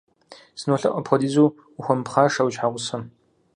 СынолъэӀу, апхуэдизу ухуэмыпхъашэ уи щхьэгъусэм.